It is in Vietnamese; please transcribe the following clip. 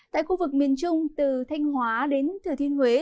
tại khu vực miền trung từ thanh hóa đến thừa thiên huế